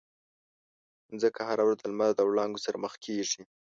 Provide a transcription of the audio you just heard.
مځکه هره ورځ د لمر د وړانګو سره مخ کېږي.